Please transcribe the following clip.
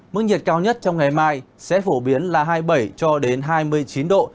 mức nhiệt cao nhất trong ngày mai sẽ phổ biến là hai mươi bảy cho đến hai mươi chín độ